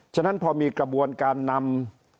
ฉะนั้นพอมีกระบวนการนำ